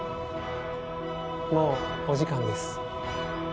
もうお時間です。